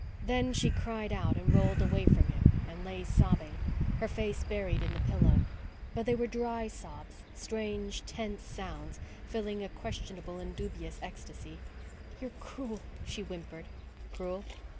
Then she cried out and rolled away from him and lay sobbing, her face buried in the pillow. But they were dry sobs; strange, tense sounds filling a questionable and dubious ecstasy. "You are cruel," she whimpered. "Cruel?"